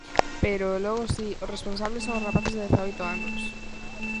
Pero, logo si, os responsables son os rapaces de dezaoito anos.